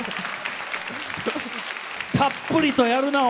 たっぷりとやるなあ！